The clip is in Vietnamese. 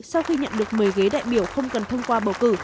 sau khi nhận được một mươi ghế đại biểu không cần thông qua bầu cử